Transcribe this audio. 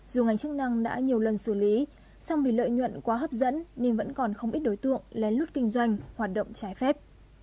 rượu bào đá đã nhiều lần xử lý xong vì lợi nhuận quá hấp dẫn nên vẫn còn không ít đối tượng lén lút kinh doanh hoạt động trái phép